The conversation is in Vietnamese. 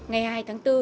ngày hai tháng bốn